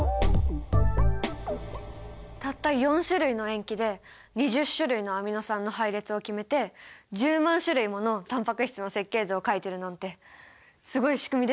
たった４種類の塩基で２０種類のアミノ酸の配列を決めて１０万種類ものタンパク質の設計図を描いてるなんてすごい仕組みですよね。